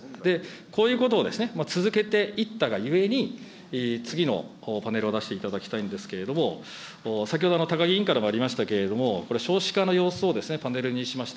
こういうことを続けていったがゆえに、次のパネルを出していただきたいんですけれども、先ほど高木委員からもありましたけれども、これ、少子化の様子をパネルにしました。